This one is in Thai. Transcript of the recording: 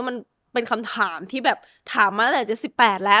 เพราะว่ามันเป็นคำถามที่แบบถามมาตั้งแต่ด้วย๑๘แล้ว